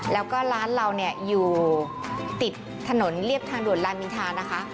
แล้วก็ร้านเราเนี่ยอยู่ติดถนนเรียบทางด่วนลามินทานะคะ